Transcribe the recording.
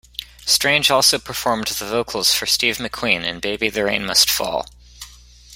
Strange also performed the vocals for Steve McQueen in "Baby the Rain Must Fall".